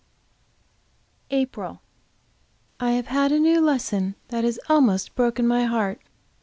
APRIL. I HAVE had a new lesson which has almost broken my heart.